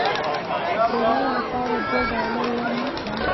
د رایې لپاره دوه ډالره ورنه کړم.